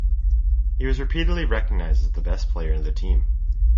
He was repeatedly recognized as the best player in the team.